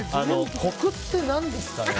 コクって、何ですかね。